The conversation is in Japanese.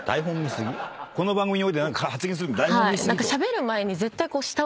この番組において発言するとき台本見過ぎと？